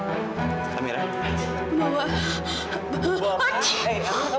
ini aku bukain kamu ini dari kebun aku sendiri loh